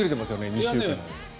２週間で。